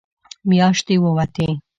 مياشتې ووتې.